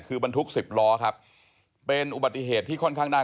ขึ้นไปทับกันกับอีกคันนึง